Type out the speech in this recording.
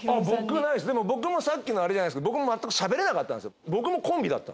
僕はないですでも僕もさっきのあれじゃないですけど僕も全くしゃべれなかったんですよ。